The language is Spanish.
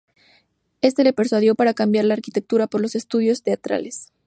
Éste le persuadió para cambiar la arquitectura por los estudios teatrales.